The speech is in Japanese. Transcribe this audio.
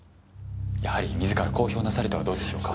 やはり自ら公表なされてはどうでしょうか？